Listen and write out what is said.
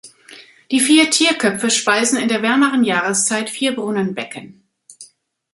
Die vier Tierköpfe speisen in der wärmeren Jahreszeit vier Brunnenbecken.